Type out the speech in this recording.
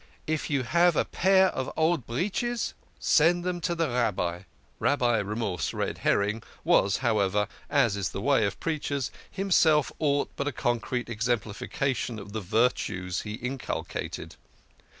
" If you have a pair of old breeches, send them to the Rabbi." Rabbi Remorse Red herring was, however, as is the way of preachers, himself aught but a concrete exemplification 86 THE KING OF SCHNORRERS. of the virtues he inculcated.